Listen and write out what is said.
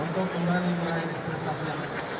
untuk memulai bereslasnya